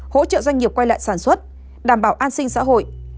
hỗ trợ doanh nghiệp quay lại sản xuất đảm bảo an sinh xã hội